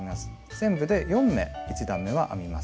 全部で４目１段めは編みます。